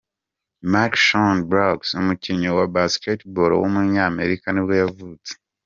MarShon Brooks, umukinnyi wa basketball w’umunyamerika nibwo yavutse.